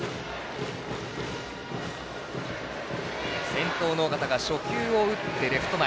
先頭の緒方が初球を打って、レフト前。